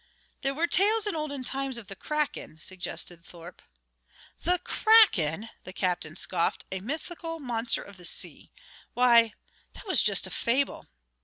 "There were tales in olden times of the Kraken," suggested Thorpe. "The Kraken!" the captain scoffed. "A mythical monster of the sea. Why, that was just a fable."